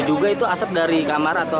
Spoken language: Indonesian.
juga itu asap dari kamar atau